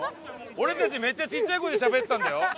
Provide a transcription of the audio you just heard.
俺たちめっちゃ小さい声でしゃべってたんだよ。